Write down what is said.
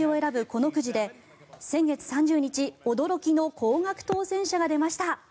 このくじで先月３０日驚きの高額当選者が出ました。